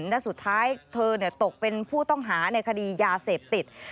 และสุดท้ายเธอตกเป็นผู้ต้องหาในคดียาเสพติด